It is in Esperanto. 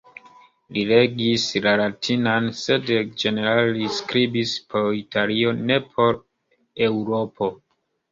Li regis la latinan, sed ĝenerale li skribis por Italio, ne por Eŭropo.